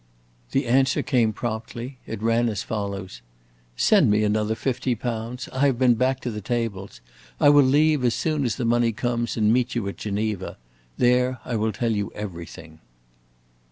The answer came promptly; it ran as follows: "Send me another fifty pounds! I have been back to the tables. I will leave as soon as the money comes, and meet you at Geneva. There I will tell you everything."